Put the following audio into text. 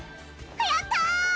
やった！